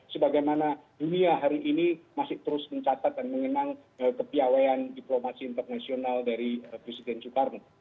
sebagaimana dunia hari ini masih terus mencatat dan mengenang kepiawaian diplomasi internasional dari presiden soekarno